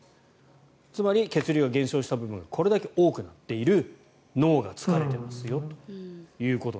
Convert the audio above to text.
つまり、血流が減少した部分がこれだけ多くなっている脳が疲れていますよと。